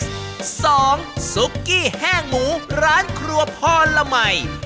สองซุกกี้แห้งหมูร้านครัวพ่อละใหม่